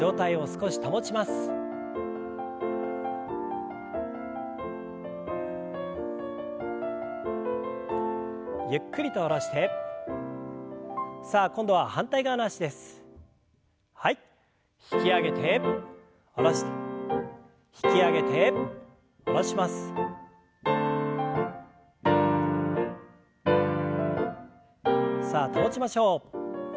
さあ保ちましょう。